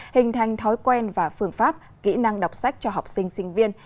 hình thành thói quen và phương pháp kỹ năng đọc sách cho học sinh sinh viên